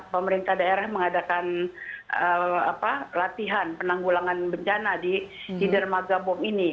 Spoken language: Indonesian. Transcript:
pemerintah daerah mengadakan latihan penanggulangan bencana di tidermagabom ini